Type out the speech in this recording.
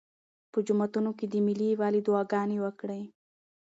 په جوماتونو کې د ملي یووالي دعاګانې وکړئ.